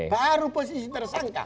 baru posisi tersangka